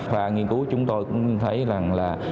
và nghiên cứu chúng tôi cũng thấy là